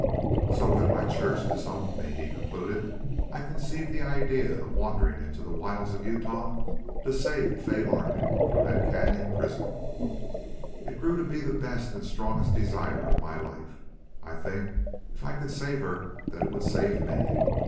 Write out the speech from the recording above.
"So, when my Church disowned me," he concluded, "I conceived the idea of wandering into the wilds of Utah to save Fay Larkin from that cañon prison. It grew to be the best and strongest desire of my life. I think if I could save her that it would save me.